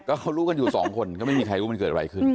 ก็เขารู้กันอยู่สองคนก็ไม่มีใครรู้มันเกิดอะไรขึ้น